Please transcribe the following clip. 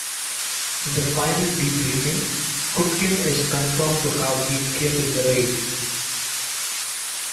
In the final debriefing, Kutkin is confirmed to have been killed in the raid.